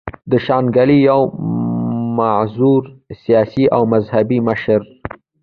د شانګلې يو معزز سياسي او مذهبي مشر